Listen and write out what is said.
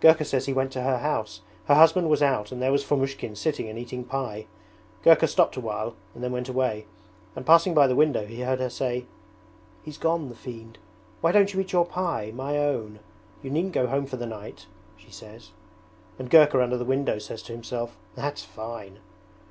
'Gurka says he went to her house. Her husband was out and there was Fomushkin sitting and eating pie. Gurka stopped awhile and then went away, and passing by the window he heard her say, "He's gone, the fiend.... Why don't you eat your pie, my own? You needn't go home for the night," she says. And Gurka under the window says to himself, "That's fine!"'